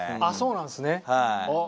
ああそうなんですね。